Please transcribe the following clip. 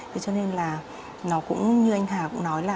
thế cho nên là nó cũng như anh hà cũng nói là